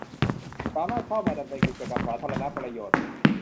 สามารถเข้ามาดำเนินกิจกรรมสาธารณประโยชน์